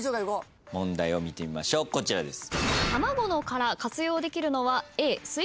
問題を見てみましょうこちらです。